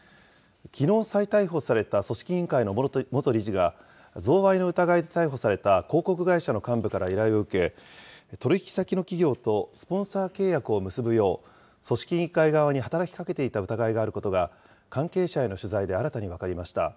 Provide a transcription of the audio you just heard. きのう再逮捕された組織委員会の元理事が、贈賄の疑いで逮捕された広告会社の幹部から依頼を受け、取り引き先の企業とスポンサー契約を結ぶよう、組織委員会側に働きかけていた疑いがあることが、関係者への取材で新たに分かりました。